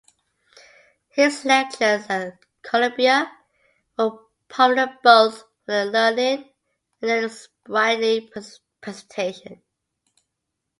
His lectures at Columbia were popular both for their learning and their sprightly presentation.